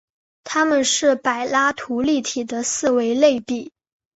它们是柏拉图立体的四维类比。